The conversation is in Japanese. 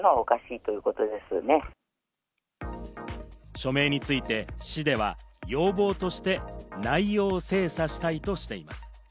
署名について、市では要望として内容を精査したいとしています。